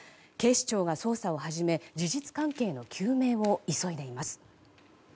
警視庁が捜査を始め事実関係の究明を急いでいます。